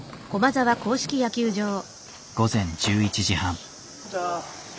午前１１時半。